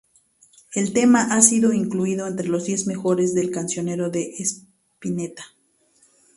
El tema ha sido incluido entre los diez mejores del cancionero de Spinetta.